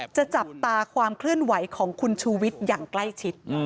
จับตาความเคลื่อนไหวของคุณชูวิทย์อย่างใกล้ชิด